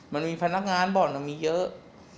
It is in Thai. มันมีพนักงานบ่อนมันมีเยอะ